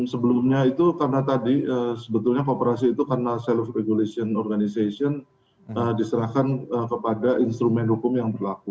sebelumnya itu karena tadi sebetulnya kooperasi itu karena self regulation organization diserahkan kepada instrumen hukum yang berlaku